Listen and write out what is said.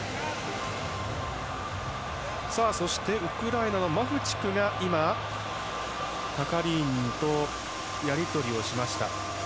そしてウクライナはマフチフが今、係員とやり取りをしました。